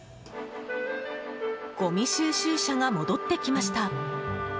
ごみ収集車が戻ってきました。